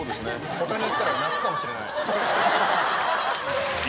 保田に行ったら泣くかもしれない。